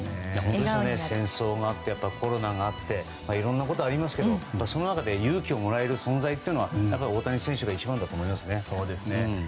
戦争があってコロナがあっていろんなことがありますけどその中で勇気をもらえる存在というのは大谷選手が一番だと思いますね。